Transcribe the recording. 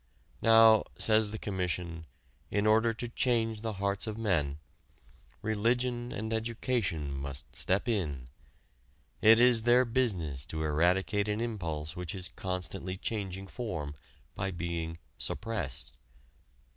Now, says the Commission, in order to change the hearts of men, religion and education must step in. It is their business to eradicate an impulse which is constantly changing form by being "suppressed."